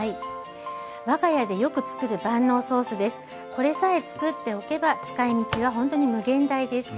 これさえつくっておけば使いみちはほんとに無限大です。